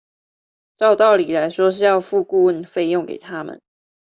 照道理來說是要付顧問費用給他們